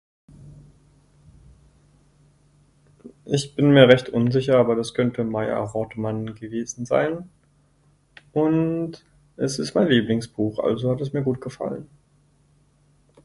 "Ich bin mir recht unsicher aber das könnte ""Meier Rodmann"" gewesen sein und es ist mein Lieblingsbuch also hat es mir gut gefallen."